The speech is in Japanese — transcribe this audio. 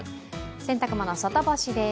洗濯物、外干しです。